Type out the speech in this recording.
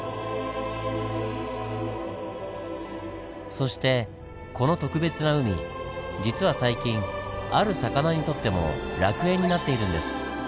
そしてこの特別な海実は最近ある魚にとっても楽園になっているんです。